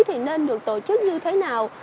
thì nên được tổ chức như thế nào